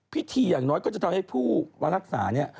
พิธีอย่างน้อยก็จะทำให้ผู้รักษานี่